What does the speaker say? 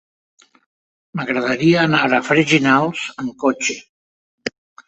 M'agradaria anar a Freginals amb cotxe.